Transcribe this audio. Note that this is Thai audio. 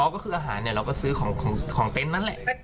ก็คืออาหารเราก็ซื้อของเต็นต์นั่นแหละ